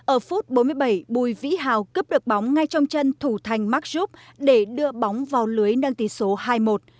ở phút bốn mươi bảy bùi vĩ hào cướp được bóng ngay trong chân thủ thành mark rup để đưa bóng vào lưới nâng tỷ số hai một